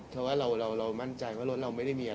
เพราะว่าเรามั่นใจว่ารถเราไม่ได้มีอะไร